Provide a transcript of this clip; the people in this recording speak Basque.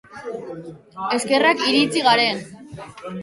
Eskerrak iritsi garen.